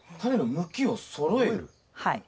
はい。